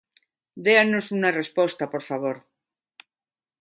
Déanos unha resposta, por favor.